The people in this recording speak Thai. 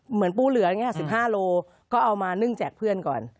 เหมือนปูเหลืออย่างนี้๑๕โลก็เอามานึ่งแจกเพื่อนก่อน